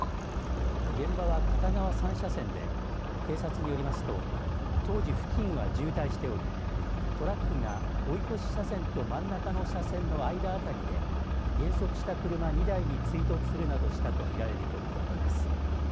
現場は片側３車線で警察によりますと当時、付近は渋滞しておりトラックが追い越し車線と真ん中の車線の間辺りで減速した車２台に追突するなどしたと見られるということです。